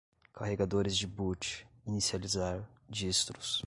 carregadores de boot, inicializar, distros